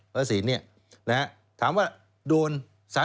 วัดศิลป์เนี่ยถามว่าโดน๓๓ปี